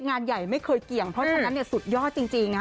งานใหญ่ไม่เคยเกี่ยงเพราะฉะนั้นสุดยอดจริงนะ